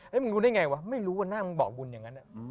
มึงรู้ได้ไงวะไม่รู้ว่าหน้ามึงบอกบุญอย่างนั้น